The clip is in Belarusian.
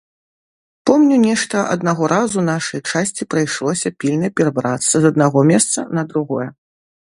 Помню, нешта аднаго разу нашай часці прыйшлося пільна перабрацца з аднаго месца на другое.